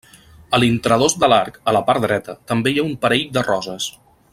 A l'intradós de l'arc, a la part dreta, també hi ha un parell de roses.